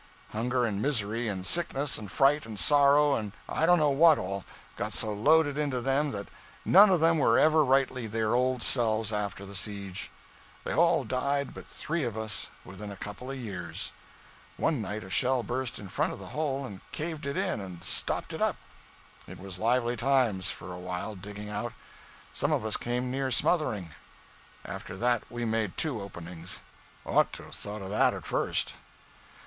Hunger and misery and sickness and fright and sorrow, and I don't know what all, got so loaded into them that none of them were ever rightly their old selves after the siege. They all died but three of us within a couple of years. One night a shell burst in front of the hole and caved it in and stopped it up. It was lively times, for a while, digging out. Some of us came near smothering. After that we made two openings ought to have thought of it at first.